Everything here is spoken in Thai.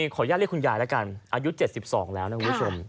ขออนุญาตเรียกคุณยายแล้วกันอายุ๗๒แล้วนะคุณผู้ชม